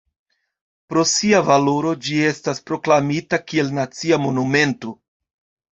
Pro sia valoro ĝi estas proklamita kiel nacia monumento.